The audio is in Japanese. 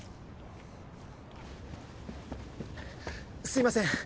すいません